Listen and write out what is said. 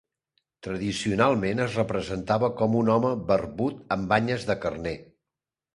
Tradicionalment es representava com un home barbut amb banyes de carner.